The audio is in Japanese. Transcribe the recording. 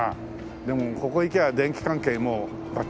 でもここ行きゃあ電気関係もうバッチリだね。